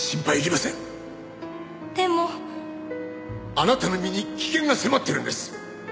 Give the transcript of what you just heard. あなたの身に危険が迫っているんです。